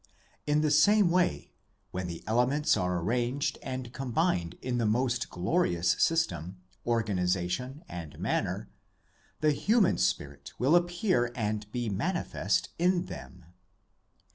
In the same way, when the elements are arranged and combined in the most glorious system, organisation and manner, the human spirit will appear and be manifest in them.